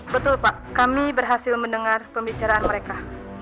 betul pak kami berhasil mendengar pembicaraan mereka